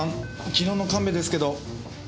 昨日の神戸ですけど。